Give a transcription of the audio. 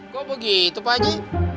kok begitu pak aji